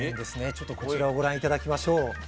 ちょっとこちらをご覧頂きましょう。